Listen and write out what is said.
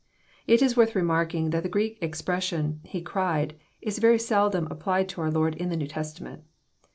It is worth remarking, that the Greek expression, He cried," is very seldom applied to our Lord in the New Testament.